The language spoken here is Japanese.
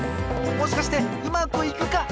もしかしてうまくいくか！？